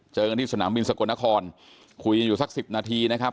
เจอกันที่สนามบินสกลนครคุยกันอยู่สักสิบนาทีนะครับ